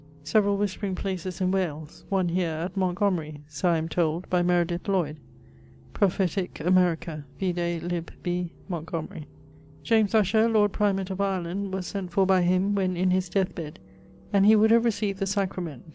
Severall whispering places in Wales, one here at Montgomery: Meredith Lloyd. Prophetick, America vide lib. B, Montgomery. Usher, Lord Primate of Ireland, was sent for by him, when in his death bed, and he would have received the sacrament.